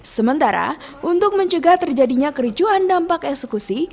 sementara untuk mencegah terjadinya kericuhan dampak eksekusi